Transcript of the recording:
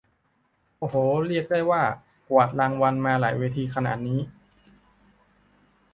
โอ้โห เรียกได้ว่ากวาดรางวัลมาหลายเวทีขนาดนี้